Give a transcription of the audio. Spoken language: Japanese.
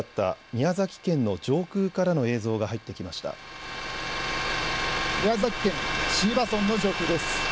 宮崎県椎葉村の上空です。